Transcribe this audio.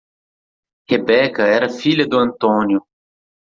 Rebeca era filha do Antônio.